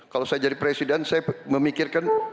kalau saya jadi presiden saya memikirkan